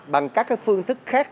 bằng các phương thức khác